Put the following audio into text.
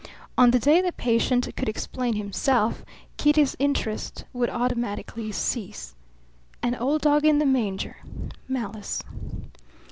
On the day the patient could explain himself, Kitty's interest would automatically cease. An old dog in the manger? Malice.